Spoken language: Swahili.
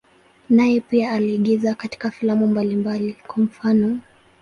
Naye pia aliigiza katika filamu mbalimbali, kwa mfano.